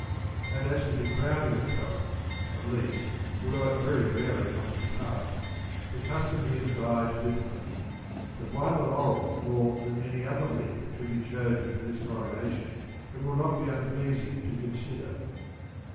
And as to the crowning of Poets, at least (though it very rarely comes to pass), the custom yet abides with them. But why the laurel more than any other leaf should be chosen for this coronation it will not be unpleasing to consider.